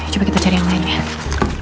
coba kita cari yang lain ya